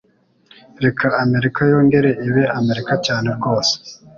Reka Amerika yongere ibe Amerika cyane rwose